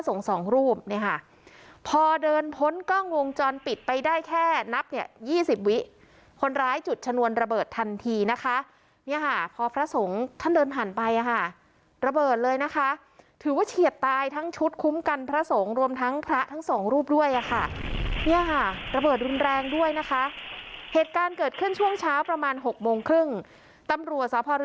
สองรูปเนี่ยค่ะพอเดินพ้นกล้องวงจรปิดไปได้แค่นับเนี่ยยี่สิบวิคนร้ายจุดชนวนระเบิดทันทีนะคะเนี่ยค่ะพอพระสงฆ์ท่านเดินผ่านไปอ่ะค่ะระเบิดเลยนะคะถือว่าเฉียดตายทั้งชุดคุ้มกันพระสงฆ์รวมทั้งพระทั้งสองรูปด้วยอ่ะค่ะเนี่ยค่ะระเบิดรุนแรงด้วยนะคะเหตุการณ์เกิดขึ้นช่วงเช้าประมาณหกโมงครึ่งตำรวจส